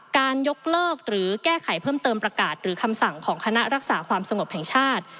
ยกเลิกหรือแก้ไขเพิ่มเติมประกาศหรือคำสั่งของคณะรักษาความสงบแห่งชาติ